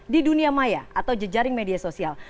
di dunia maya atau jejaring media sosial